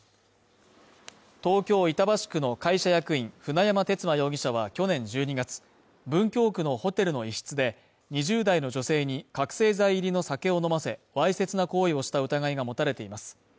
東京・板橋区の会社役員舟山鉄馬容疑者は去年１２月文京区のホテルの一室で２０代の女性に覚醒剤入りの酒を飲ませ、わいせつな行為をした疑いが持たれています。